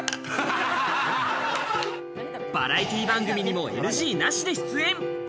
バラエティー番組にもＮＧなしで出演。